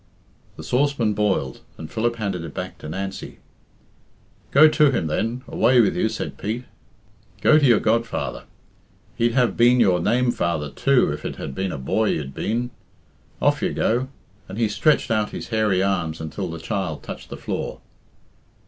The saucepan boiled, and Philip handed it back to Nancy. "Go to him then away with you," said Pete. "Gro to your godfather. He'd have been your name father too if it had been a boy you'd been. Off you go!" and he stretched out his hairy arms until the child touched the floor.